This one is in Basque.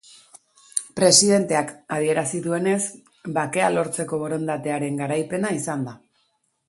Presidenteak adierazi duenez, bakea lortzeko borondatearen garaipena izan da.